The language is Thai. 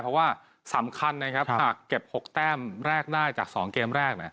เพราะว่าสำคัญถ้าเก็บ๖แต้มได้จาก๒เกมแรก